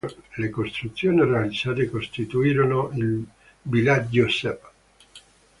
Le costruzioni realizzate costituirono il "Villaggio Cep".